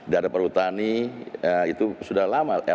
daerah perhutani itu sudah lama